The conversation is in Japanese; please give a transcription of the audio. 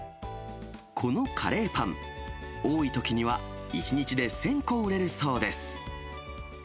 このカレーパン、多いときには１日で１０００個売れるそうです。